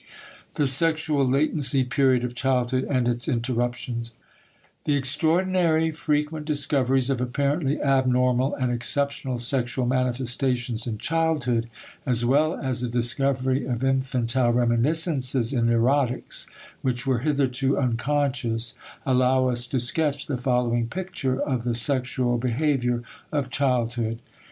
THE SEXUAL LATENCY PERIOD OF CHILDHOOD AND ITS INTERRUPTIONS The extraordinary frequent discoveries of apparently abnormal and exceptional sexual manifestations in childhood, as well as the discovery of infantile reminiscences in neurotics, which were hitherto unconscious, allow us to sketch the following picture of the sexual behavior of childhood.